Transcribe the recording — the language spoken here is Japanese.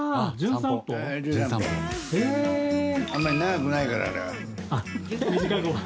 あんまり長くないからあれは。